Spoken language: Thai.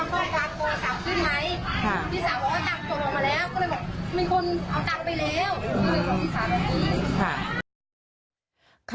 พี่สาวเราก็ตังค์ตังค์ออกมาแล้วก็เลยบอกมีคนเอาตังค์ไปแล้วก็เลยบอกพี่สาวนี้ค่ะ